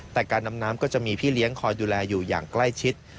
แต่การดำน้ำก็จะมีพี่เลี้ยงคอยดูแลอยู่อย่างใกล้ชิด